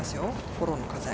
フォローの風。